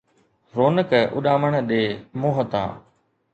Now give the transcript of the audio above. رونق اُڏامڻ ڏي منهن تان،